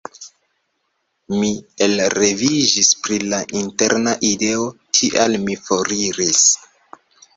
Mi elreviĝis pri la interna ideo, tial mi foriris.